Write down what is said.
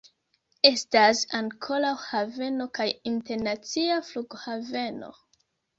Estas ankaŭ haveno kaj internacia flughaveno.